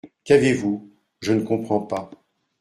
Qu’avez-vous ? je ne comprends pas.